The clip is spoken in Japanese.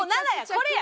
これや。